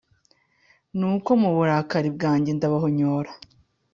nuko mu burakari bwanjye, ndabahonyora,